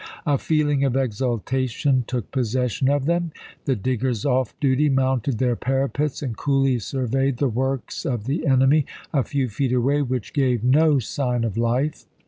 A feeling of exultation took possession of them ; the diggers off duty mounted their parapets and coolly surveyed the works of the enemy, a few feet away, which gave no sign of life.